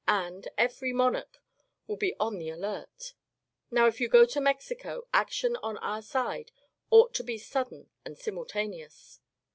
And every (monarch) will be on the alert. Now, if you go to Mexico, action on our side ou^ht to be sudden and simultaneous.